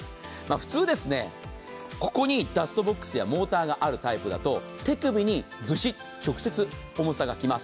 普通、ここにダストボックスやモーターがあるタイプだと手首にズシッ、直接重さがきます。